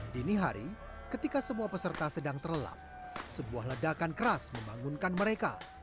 dini hari ketika semua peserta sedang terlelap sebuah ledakan keras membangunkan mereka